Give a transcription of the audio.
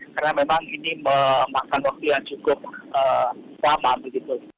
karena memang ini memakan waktu yang cukup lama begitu